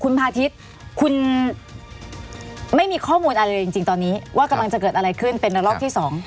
คุณพาทิศคุณไม่มีข้อมูลอะไรเลยจริงตอนนี้ว่ากำลังจะเกิดอะไรขึ้นเป็นระลอกที่๒